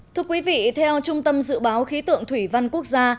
thưa quý vị theo trung tâm dự báo khí tượng thủy văn quốc gia